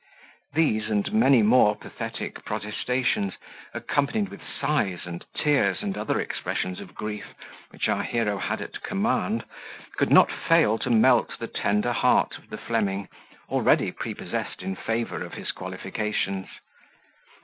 These and many more pathetic protestations, accompanied with sighs and tears and other expressions of grief, which our hero had at command, could not fail to melt the tender heart of the Fleming, already prepossessed in favour of his qualifications.